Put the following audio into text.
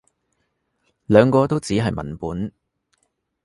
兩個都只係文本